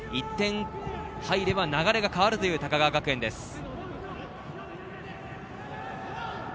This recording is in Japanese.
１点入れば流れが変わるという高川学園です。